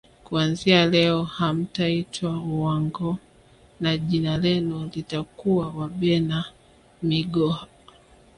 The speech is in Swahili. Kuanzia leo hamtaitwa Wanghoo na jina lenu litakuwa Wabena migoha